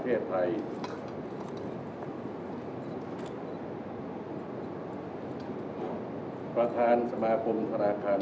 สวัสดีครับสวัสดีครับสวัสดีครับ